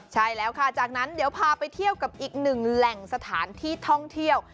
ใช่แล้วค่ะจากนั้นเดี๋ยวพาไปเที่ยวกับอีกหนึ่งแหล่งสถานที่ท่องเที่ยว